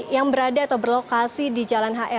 yang berada atau berlokasi di jalan hr